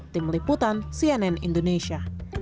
tim liputan cnn indonesia